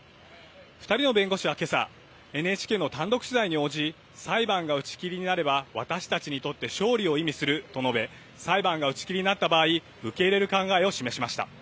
２人の弁護士はけさ、ＮＨＫの単独取材に応じ、裁判が打ち切りになれば私たちにとって勝利を意味すると述べ、裁判が打ち切りになった場合、受け入れる考えを示しました。